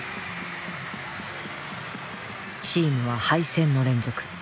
チームは敗戦の連続。